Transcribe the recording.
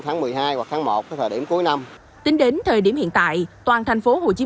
một mươi hai hoặc tháng một cái thời điểm cuối năm tính đến thời điểm hiện tại toàn thành phố hồ chí